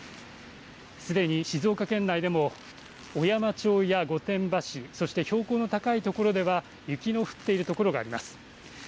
すでに静岡県内でも、小山町や御殿場市、そして標高の高い所では、雪の降っている所があります。